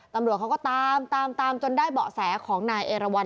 ตำรวจเขาก็ตามตามจนได้เบาะแสของนายเอราวัน